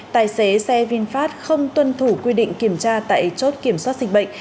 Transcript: tài xế xe vinfast không tuân thủ quy định kiểm tra tại chốt kiểm soát dịch bệnh